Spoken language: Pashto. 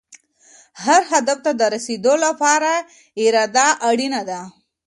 هر هدف ته د رسېدو لپاره اراده اړینه ده.